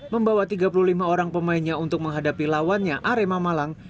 membawa tiga puluh lima orang pemainnya untuk menghadapi lawannya arema malang